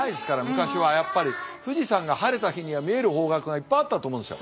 昔はやっぱり富士山が晴れた日には見える方角がいっぱいあったと思うんですよ。